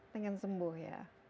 pengen sembuh ya